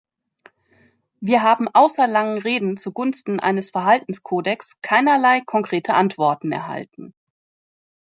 Wir haben außer langen Reden zugunsten eines Verhaltenskodex keinerlei konkrete Antworten erhalten.